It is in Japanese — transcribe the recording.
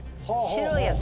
白いやつ。